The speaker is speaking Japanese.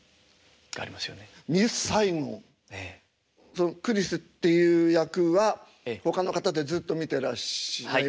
そのクリスっていう役はほかの方でずっと見てらして。